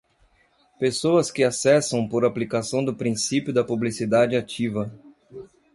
Pessoas que acessam por aplicação do princípio da publicidade ativa.